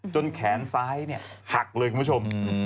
จนแขนซ้ายเนี่ยหักเลยคุณผู้ชมอืม